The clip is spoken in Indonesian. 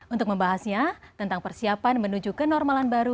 untuk membahasnya tentang persiapan menuju kenormalan baru